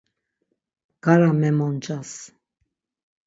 Bgara memoncas.